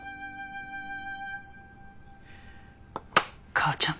母ちゃん。